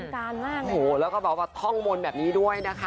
เหมือนกันมากโอ้โหแล้วก็บอกว่าธ่องมนต์แบบนี้ด้วยนะคะ